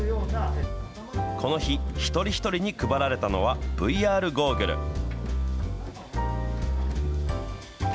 この日、一人一人に配られたのは、ＶＲゴーグル。